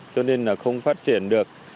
cho nên là không phát triển được